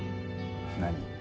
何？